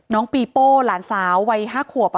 น้องปีโป้หลานสาววัย๕ขวบ